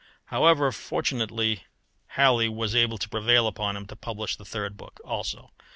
However, fortunately, Halley was able to prevail upon him to publish the third book also.